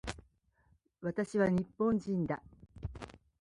私は日本人だ